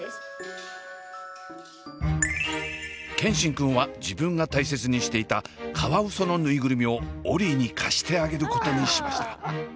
健新くんは自分が大切にしていたカワウソのぬいぐるみをオリィに貸してあげることにしました。